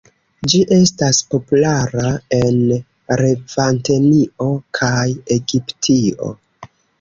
Ĝi estas populara en Levantenio kaj Egiptio.